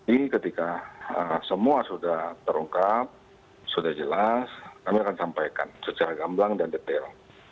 ini ketika semua sudah terungkap sudah jelas kami akan sampaikan secara gamblang dan detail